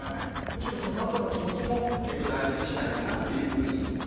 むしろそのあとの気持ちも大事にしたいかなというふうに思います。